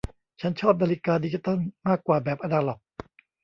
ฉันชอบนาฬิกาดิจิตัลมากกว่าแบบอนาล็อก